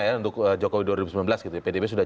ya untuk jokowi dua ribu sembilan belas pdb sudah